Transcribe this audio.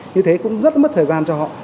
như thế cũng rất mất thời gian cho họ